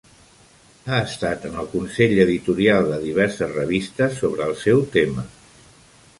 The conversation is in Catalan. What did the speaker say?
Ha estat en el Consell editorial de diverses revistes sobre el seu tema.